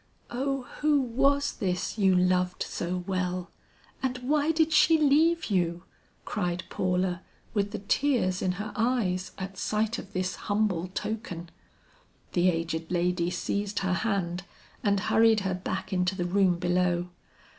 "O who was this you loved so well? And why did she leave you?" cried Paula with the tears in her eyes, at sight of this humble token. The aged lady seized her hand and hurried her back into the room below.